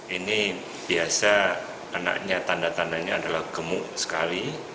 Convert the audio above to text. ini biasa anaknya tanda tandanya adalah gemuk sekali